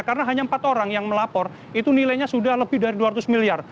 karena hanya empat orang yang melapor itu nilainya sudah lebih dari dua ratus miliar